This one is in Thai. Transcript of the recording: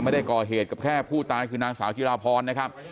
ไม่ได้ก่อเหตุกับแค่ผู้ตายคือนางสาวจิราพรนะครับ